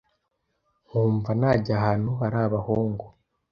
nkumva najya ahantu hari abahungu.